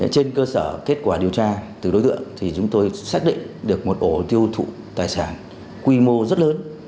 trên cơ sở kết quả điều tra từ đối tượng thì chúng tôi xác định được một ổ tiêu thụ tài sản quy mô rất lớn